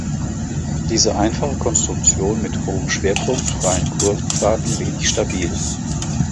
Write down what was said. Diese einfache Konstruktion mit hohem Schwerpunkt war in Kurvenfahrten wenig stabil.